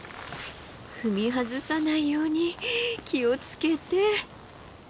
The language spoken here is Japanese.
踏み外さないように気を付けて。